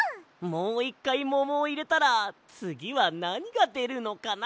もういっかいももをいれたらつぎはなにがでるのかな？